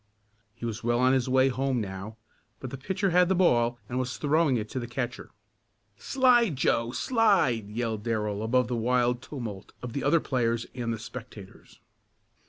He was well on his way home now, but the pitcher had the ball and was throwing it to the catcher. "Slide, Joe! Slide!" yelled Darrell above the wild tumult of the other players and the spectators.